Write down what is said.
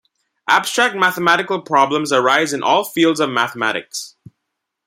Abstract mathematical problems arise in all fields of mathematics.